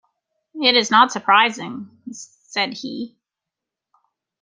"It is not surprising," said he.